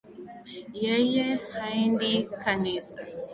Yeye haendi kanisa